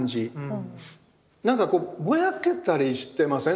なんかこうぼやけたりしてません？